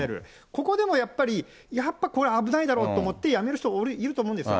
ここでもやっぱり、やっぱこれ危ないだろうと思って辞める人、いると思うんですよ。